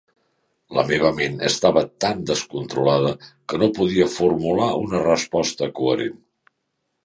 La meva ment estava tan descontrolada que no podia formular una resposta coherent.